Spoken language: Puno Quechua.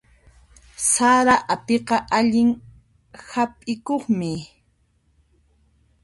Sara apiqa allin hap'ikuqmi.